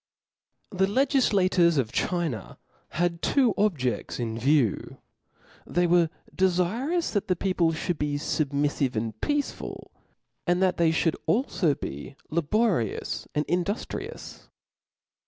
Vol, The legiflators of China had two objeds in view i *^*^^' they were delirous that the people (hould be fub miflive and peaceful, and that they (hould alfo be laborious and indu(trious.